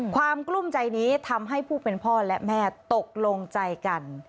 กลุ้มใจนี้ทำให้ผู้เป็นพ่อและแม่ตกลงใจกัน